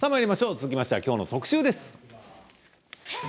続きましてはきょうの特集です。